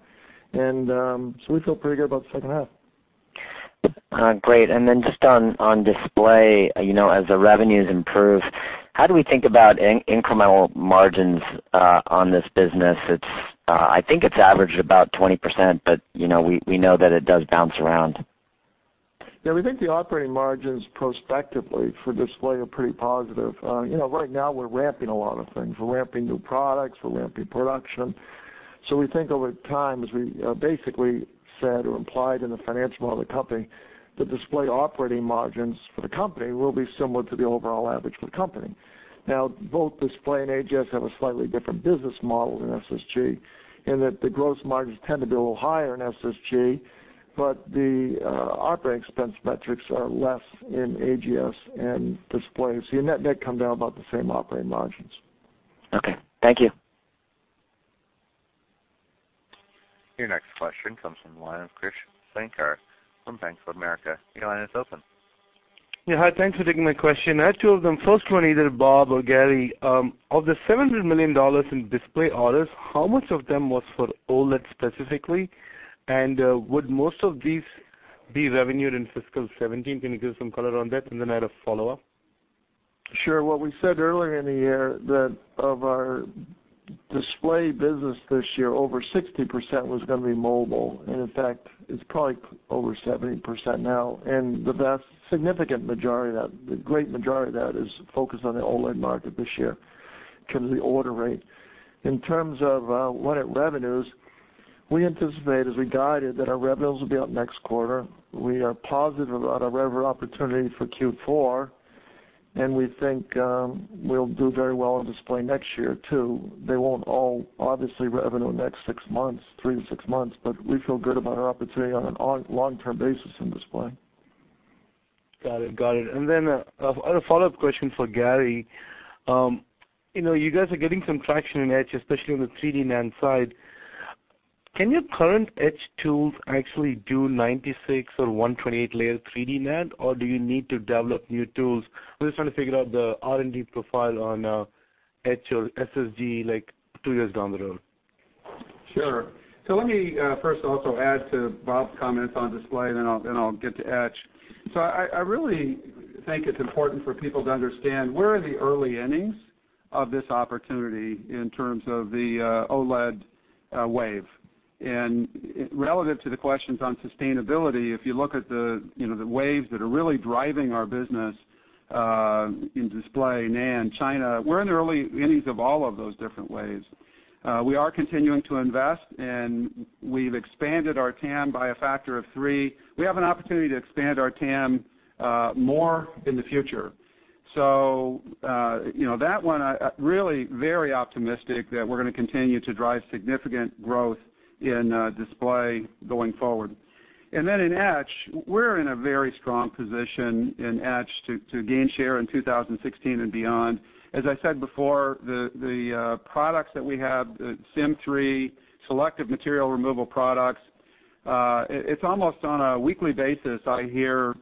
We feel pretty good about the second half. Great. Just on Display, as the revenues improve, how do we think about incremental margins on this business? I think it's averaged about 20%. We know that it does bounce around. Yeah, we think the operating margins prospectively for Display are pretty positive. Right now we're ramping a lot of things. We're ramping new products, we're ramping production. We think over time as we basically said or implied in the financial model of the company, the Display operating margins for the company will be similar to the overall average for the company. Now both Display and AGS have a slightly different business model than SSG in that the gross margins tend to be a little higher in SSG, but the operating expense metrics are less in AGS and Display. Your net come down about the same operating margins. Okay. Thank you. Your next question comes from the line of Krish Sankar from Bank of America. Your line is open. Yeah. Hi, thanks for taking my question. I have two of them. First one, either Bob or Gary, of the $700 million in Display orders, how much of them was for OLED specifically? Would most of these be revenued in fiscal 2017? Can you give some color on that? Then I had a follow-up. Sure. What we said earlier in the year, that of our display business this year, over 60% was going to be mobile, and in fact, it's probably over 70% now, and the vast significant majority of that, the great majority of that is focused on the OLED market this year in terms of the order rate. In terms of when it revenues, we anticipate as we guided, that our revenues will be up next quarter. We are positive about our revenue opportunity for Q4, and we think we'll do very well in display next year, too. They won't all obviously revenue in the next six months, three to six months, but we feel good about our opportunity on a long-term basis in display. Got it. I had a follow-up question for Gary. You guys are getting some traction in etch, especially on the 3D NAND side. Can your current etch tools actually do 96 or 128 layer 3D NAND, or do you need to develop new tools? I'm just trying to figure out the R&D profile on etch or SSD two years down the road. Sure. Let me first also add to Bob's comments on display, then I'll get to etch. I really think it's important for people to understand we're in the early innings of this opportunity in terms of the OLED wave. Relative to the questions on sustainability, if you look at the waves that are really driving our business in display, NAND, China, we're in the early innings of all of those different waves. We are continuing to invest, and we've expanded our TAM by a factor of three. We have an opportunity to expand our TAM more in the future. That one, really very optimistic that we're going to continue to drive significant growth in display going forward. In etch, we're in a very strong position in etch to gain share in 2016 and beyond. As I said before, the products that we have, Sym3 selective material removal products, it's almost on a weekly basis I hear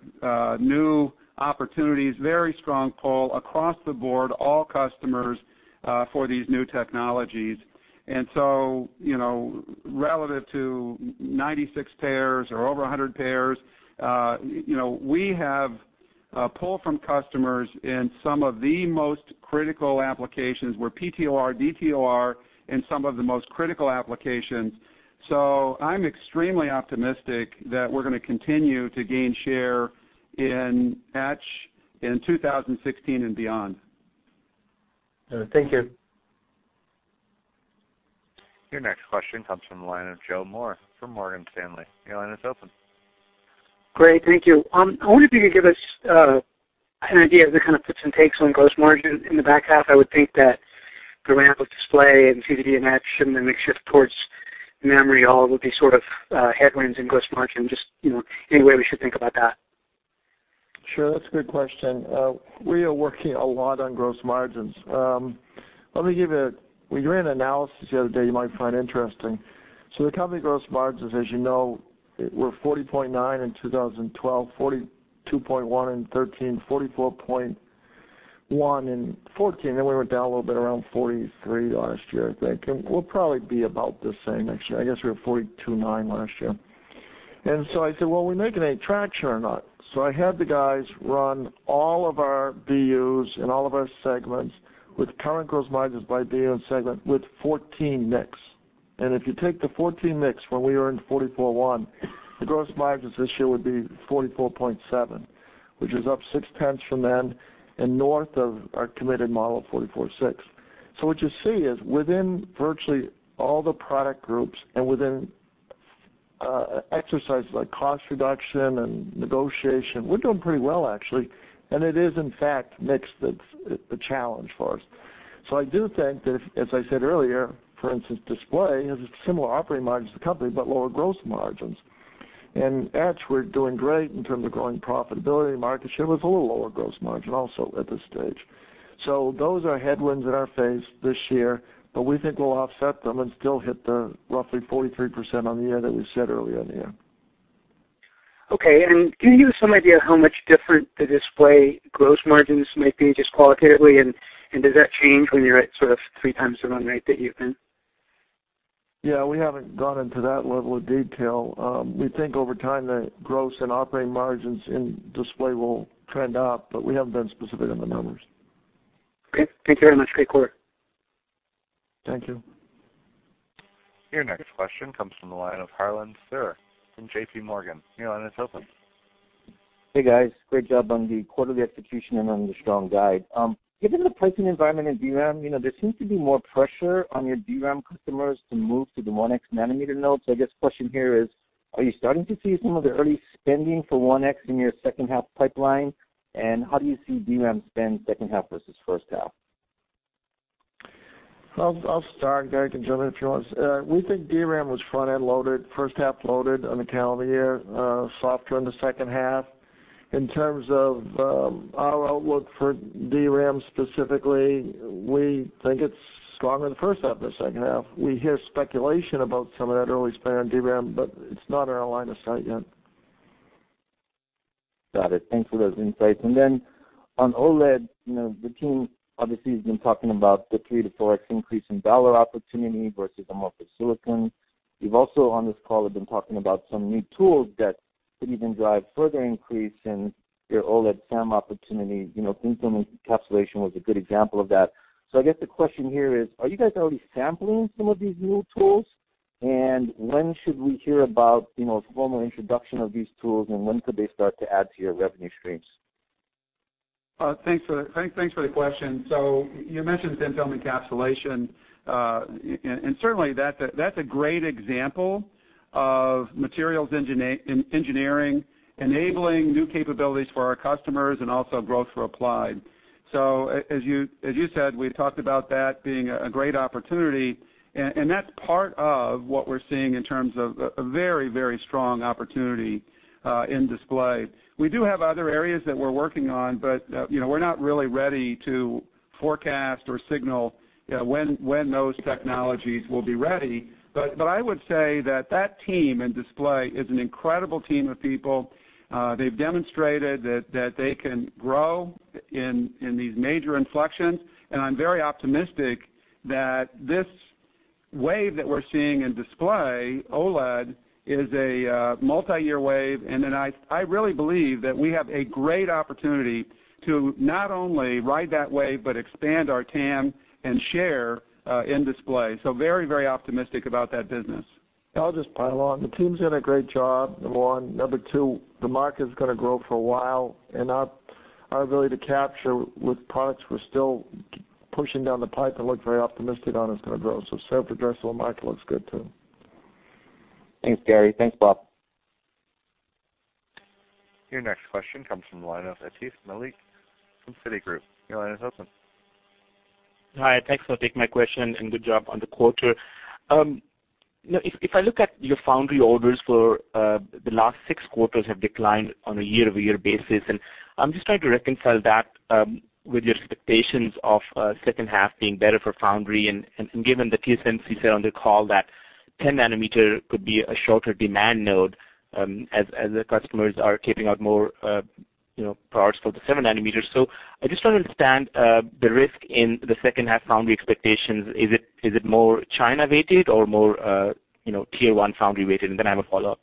new opportunities, very strong pull across the board, all customers for these new technologies. Relative to 96 pairs or over 100 pairs, we have pull from customers in some of the most critical applications where PTOR, DTOR in some of the most critical applications. I'm extremely optimistic that we're going to continue to gain share in etch in 2016 and beyond. Thank you. Your next question comes from the line of Joseph Moore from Morgan Stanley. Your line is open. Great. Thank you. I wonder if you could give us an idea of the kind of puts and takes on gross margin in the back half. I would think that the ramp of Display and CVD and Etch and the mix shift towards memory all would be sort of headwinds in gross margin. Just any way we should think about that. Sure. That's a good question. We are working a lot on gross margins. We ran an analysis the other day you might find interesting. The company gross margins, as you know, were 40.9 in 2012, 42.1 in 2013, 44.1 in 2014, then we went down a little bit around 43 last year, I think. We'll probably be about the same next year. I guess we were 42.9 last year. I said, "Well, we're making any traction or not?" I had the guys run all of our BUs and all of our segments with current gross margins by BU and segment with 2014 mix. If you take the 2014 mix when we earned 44.1, the gross margins this year would be 44.7, which is up six-tenths from then and north of our committed model of 44.6. What you see is within virtually all the product groups and within exercises like cost reduction and negotiation, we're doing pretty well, actually, and it is, in fact, mix that's the challenge for us. I do think that if, as I said earlier, for instance, Display has a similar operating margin to the company, but lower gross margins. In etch, we're doing great in terms of growing profitability, market share with a little lower gross margin also at this stage. Those are headwinds in our face this year, but we think we'll offset them and still hit the roughly 43% on the year that we said earlier in the year. Okay. Can you give us some idea how much different the Display gross margins might be, just qualitatively, and does that change when you're at sort of three times the run rate that you've been? Yeah, we haven't gone into that level of detail. We think over time the gross and operating margins in Display will trend up, but we haven't been specific on the numbers. Okay. Thank you very much. Great quarter. Thank you. Your next question comes from the line of Harlan Sur from J.P. Morgan. Your line is open. Hey, guys, great job on the quarterly execution and on the strong guide. Given the pricing environment in DRAM, there seems to be more pressure on your DRAM customers to move to the 1x nanometer node. I guess question here is, are you starting to see some of the early spending for 1x in your second half pipeline, and how do you see DRAM spend second half versus first half? I'll start, Gary, can jump in if you want. We think DRAM was front-end loaded, first half loaded on account of the year, softer in the second half. In terms of our outlook for DRAM specifically, we think it's stronger in the first half than the second half. We hear speculation about some of that early spend on DRAM. It's not in our line of sight yet. Got it. Thanks for those insights. On OLED, the team obviously has been talking about the 3x-4x increase in dollar opportunity versus amorphous silicon. You've also, on this call, been talking about some new tools that could even drive further increase in your OLED SAM opportunity. Thin film encapsulation was a good example of that. I guess the question here is, are you guys already sampling some of these new tools? When should we hear about formal introduction of these tools, and when could they start to add to your revenue streams? Thanks for the question. You mentioned thin film encapsulation, and certainly that's a great example of materials engineering enabling new capabilities for our customers and also growth for Applied. As you said, we talked about that being a great opportunity, and that's part of what we're seeing in terms of a very strong opportunity in Display. We do have other areas that we're working on, but we're not really ready to forecast or signal when those technologies will be ready. I would say that that team in Display is an incredible team of people. They've demonstrated that they can grow in these major inflections, and I'm very optimistic that this wave that we're seeing in Display, OLED, is a multi-year wave. I really believe that we have a great opportunity to not only ride that wave but expand our TAM and share in Display. Very optimistic about that business. I'll just pile on. The team's done a great job, number one. Number two, the market is going to grow for a while, and our ability to capture with products we're still pushing down the pipe, I look very optimistic on is going to grow. Served addressable market looks good, too. Thanks, Gary. Thanks, Bob. Your next question comes from the line of Atif Malik from Citigroup. Your line is open. Hi, thanks for taking my question and good job on the quarter. If I look at your foundry orders for the last six quarters have declined on a year-over-year basis, I am just trying to reconcile that with your expectations of second half being better for foundry given the TSMC said on the call that 10 nanometer could be a shorter demand node as the customers are kitting out more products for the 7 nanometers. I just don't understand the risk in the second half foundry expectations. Is it more China-weighted or more Tier 1 foundry-weighted? I have a follow-up.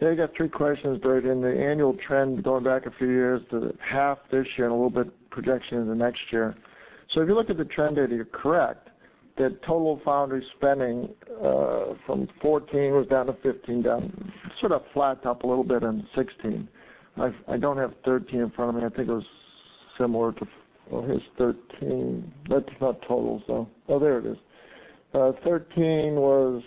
You got three questions buried in the annual trend going back a few years to the half this year and a little bit projection in the next year. If you look at the trend data, you are correct that total foundry spending from 2014 was down to 2015, down sort of flat, up a little bit in 2016. I don't have 2013 in front of me. I think it was similar to here is 2013. That is not total, there it is. 2013 was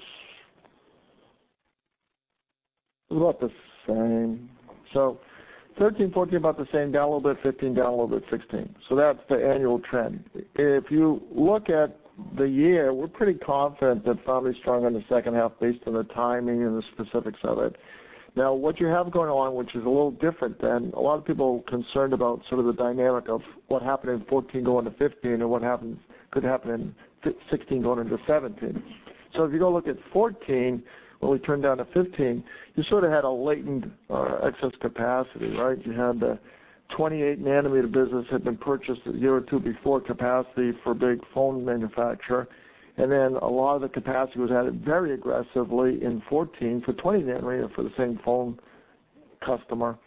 about the same. 2013, 2014, about the same, down a little bit 2015, down a little bit 2016. That is the annual trend. If you look at the year, we are pretty confident that foundry is strong in the second half based on the timing and the specifics of it. What you have going on, which is a little different than a lot of people concerned about sort of the dynamic of what happened in 2014 going to 2015 or what could happen in 2016 going into 2017. If you go look at 2014, when we turned down to 2015, you sort of had a latent excess capacity, right? You had the 28-nanometer business had been purchased a year or two before capacity for a big phone manufacturer, then a lot of the capacity was added very aggressively in 2014 for 20-nanometer for the same phone customer,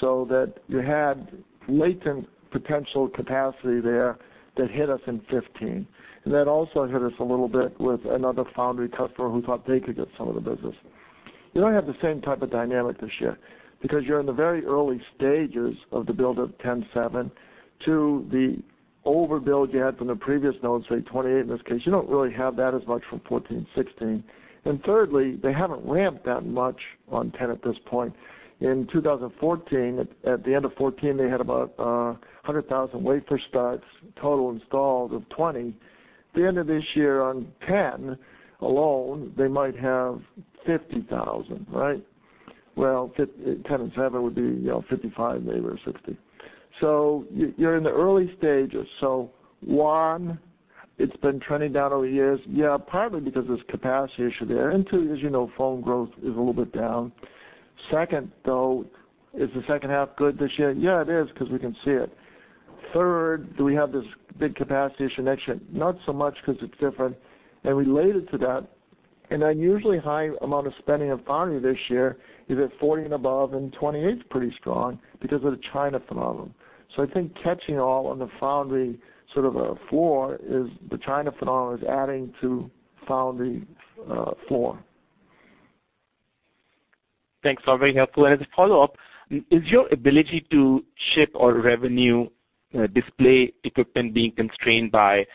so that you had latent potential capacity there that hit us in 2015. That also hit us a little bit with another foundry customer who thought they could get some of the business. You don't have the same type of dynamic this year because you're in the very early stages of the build of 10/7 to the overbuild you had from the previous node, say 28-nanometer in this case. You don't really have that as much from 2014 to 2016. Thirdly, they haven't ramped that much on 10-nanometer at this point. In 2014, at the end of 2014, they had about 100,000 wafer starts total installed of 20-nanometer. At the end of this year on 10-nanometer alone, they might have 50,000, right? 10-nanometer and 7-nanometer would be 55 or 60. You're in the early stages. One, it's been trending down over the years. Partly because there's capacity issue there. Two, as you know, phone growth is a little bit down. Second, though, is the second half good this year? It is because we can see it. Do we have this big capacity issue next year? Not so much because it's different, and related to that, an unusually high amount of spending on foundry this year is at 40-nanometer and above, and 28-nanometer is pretty strong because of the China phenomenon. I think catching all on the foundry sort of a floor is the China phenomenon is adding to foundry floor. Thanks. Very helpful. As a follow-up, is your ability to ship or revenue display equipment being constrained by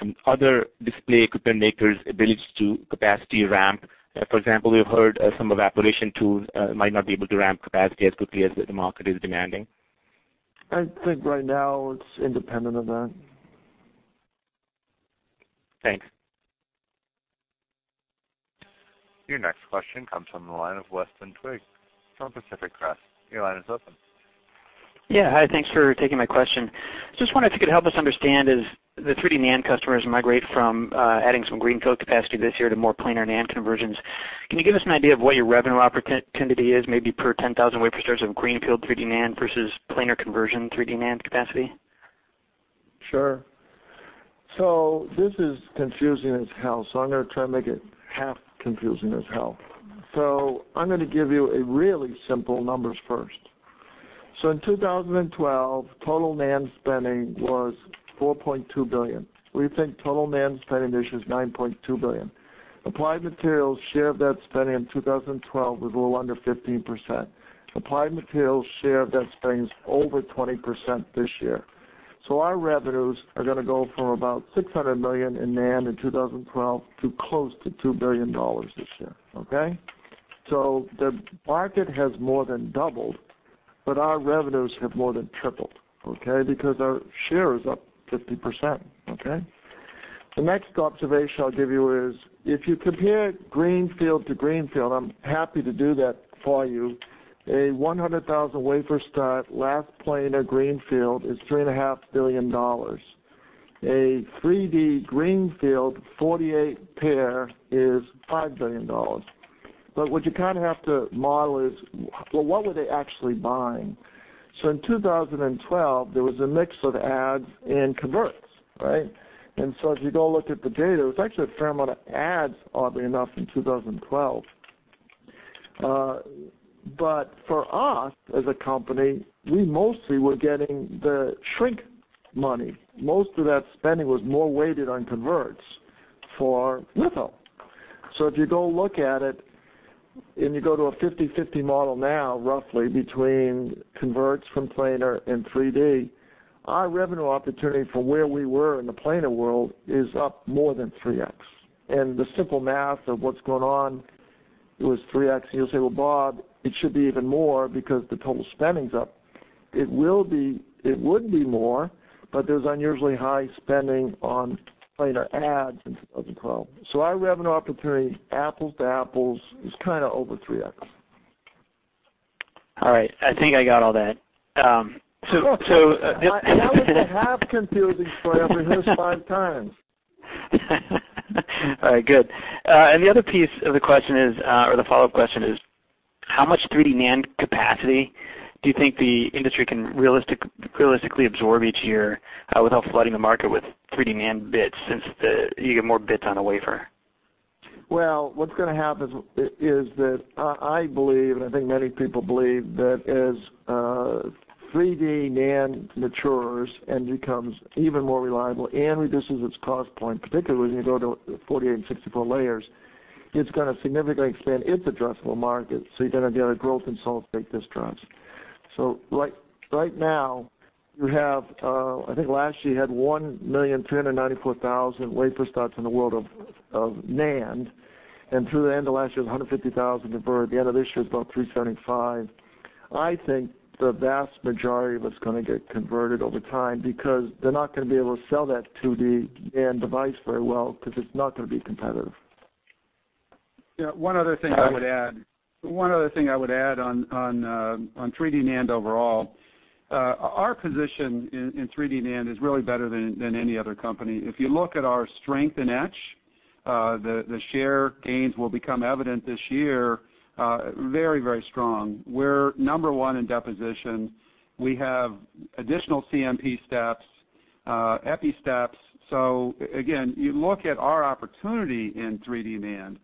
some other display equipment makers' ability to capacity ramp? For example, we've heard some evaporation tools might not be able to ramp capacity as quickly as the market is demanding. I think right now it's independent of that. Thanks. Your next question comes from the line of Weston Twigg from Pacific Crest. Your line is open. Yeah. Hi, thanks for taking my question. Just wondered if you could help us understand as the 3D NAND customers migrate from adding some greenfield capacity this year to more planar NAND conversions, can you give us an idea of what your revenue opportunity is, maybe per 10,000 wafers of greenfield 3D NAND versus planar conversion 3D NAND capacity? Sure. This is confusing as hell, so I'm going to try to make it half confusing as hell. I'm going to give you really simple numbers first. In 2012, total NAND spending was $4.2 billion. We think total NAND spending this year is $9.2 billion. Applied Materials' share of that spending in 2012 was a little under 15%. Applied Materials' share of that spending is over 20% this year. Our revenues are going to go from about $600 million in NAND in 2012 to close to $2 billion this year. Okay? The market has more than doubled, but our revenues have more than tripled, okay? Because our share is up 50%. Okay? The next observation I'll give you is if you compare greenfield to greenfield, I'm happy to do that for you. A 100,000 wafer start, last planar greenfield is $3.5 billion. A 3D greenfield 48 pair is $5 billion. What you kind of have to model is, well, what were they actually buying? In 2012, there was a mix of adds and converts, right? If you go look at the data, there was actually a fair amount of adds, oddly enough, in 2012. For us, as a company, we mostly were getting the shrink money. Most of that spending was more weighted on converts for litho. If you go look at it, and you go to a 50/50 model now, roughly, between converts from planar and 3D, our revenue opportunity from where we were in the planar world is up more than 3X. The simple math of what's going on, it was 3X, and you'll say, "Well, Bob, it should be even more because the total spending's up." It would be more, but there's unusually high spending on planar adds in 2012. Our revenue opportunity, apples to apples, is kind of over 3X. All right. I think I got all that. That was the half confusing story. I've rehearsed five times. All right, good. The other piece of the question is, or the follow-up question is, how much 3D NAND capacity do you think the industry can realistically absorb each year without flooding the market with 3D NAND bits, since you get more bits on a wafer? Well, what's going to happen is that I believe, and I think many people believe, that as 3D NAND matures and becomes even more reliable and reduces its cost point, particularly as you go to 48 and 64 layers, it's going to significantly expand its addressable market, so you're going to get a growth in solid-state drives. Right now, you have, I think last year you had 1,294,000 wafer starts in the world of NAND, and through the end of last year, 150,000 convert. The end of this year is about 375. I think the vast majority of it's going to get converted over time because they're not going to be able to sell that 2D NAND device very well because it's not going to be competitive. One other thing I would add on 3D NAND overall. Our position in 3D NAND is really better than any other company. If you look at our strength in etch, the share gains will become evident this year, very, very strong. We're number one in deposition. We have additional CMP steps, Epi steps. Again, you look at our opportunity in 3D NAND,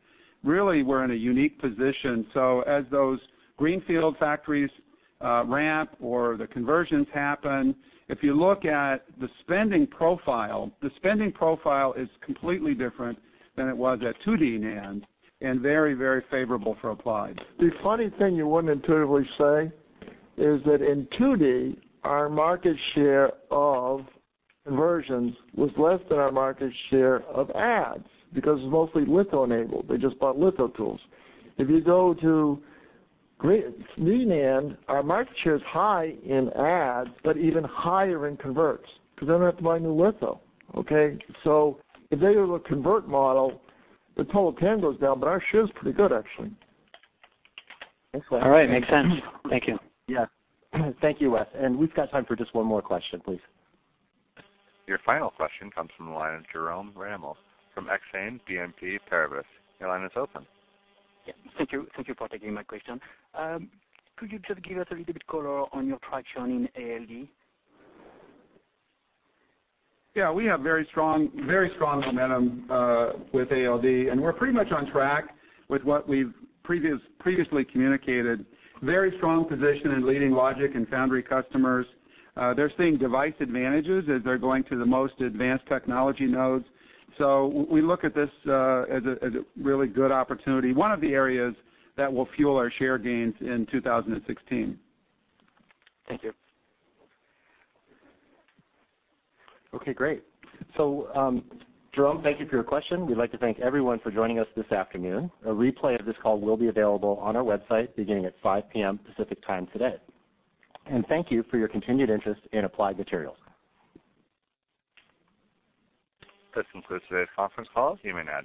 really, we're in a unique position. As those greenfield factories ramp or the conversions happen, if you look at the spending profile, the spending profile is completely different than it was at 2D NAND and very, very favorable for Applied. The funny thing you wouldn't intuitively say is that in 2D, our market share of conversions was less than our market share of adds, because it's mostly litho-enabled. They just bought litho tools. If you go to 3D NAND, our market share is high in adds, but even higher in converts because they don't have to buy new litho. Okay? If they go to a convert model, the total TAM goes down, but our share is pretty good, actually. Thanks, Wes. All right. Makes sense. Thank you. Yeah. Thank you, Wes. We've got time for just one more question, please. Your final question comes from the line of Jerome Ramel from Exane BNP Paribas. Your line is open. Yeah. Thank you for taking my question. Could you just give us a little bit color on your traction in ALD? Yeah, we have very strong momentum with ALD. We're pretty much on track with what we've previously communicated. Very strong position in leading logic and foundry customers. They're seeing device advantages as they're going to the most advanced technology nodes. We look at this as a really good opportunity, one of the areas that will fuel our share gains in 2016. Thank you. Okay, great. Jerome, thank you for your question. We'd like to thank everyone for joining us this afternoon. A replay of this call will be available on our website beginning at 5:00 P.M. Pacific Time today. Thank you for your continued interest in Applied Materials. This concludes today's conference call. You may now disconnect.